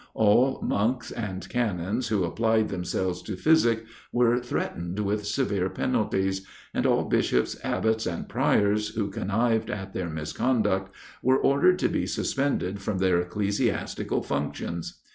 All monks and canons who applied themselves to physic, were threatened with severe penalties, and all bishops, abbots, and priors who connived at their misconduct, were ordered to be suspended from their ecclesiastical functions.